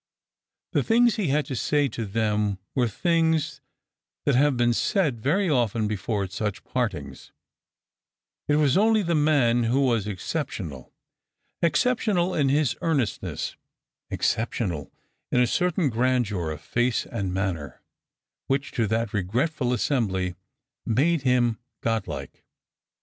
The things he had to say to them were things that have been said very often before at such partings ; it was only the man who was exceptional : exceptional in his earnest ness, exceptional in a certain grandeur of face and manner, which, to that regretful assembly, made him God like.